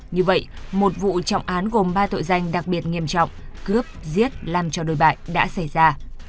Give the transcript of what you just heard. như vậy một vụ trọng án gồm ba tội danh đặc biệt nghiêm trọng cướp giết làm cho đôi bại đã xảy ra